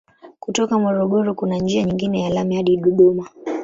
Kutoka Morogoro kuna njia nyingine ya lami hadi Dodoma.